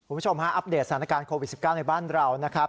คุณผู้ชมฮะอัปเดตสถานการณ์โควิด๑๙ในบ้านเรานะครับ